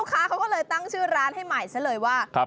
ลูกค้าเขาก็เลยตั้งชื่อร้านให้หมายซะเลยว่าครับ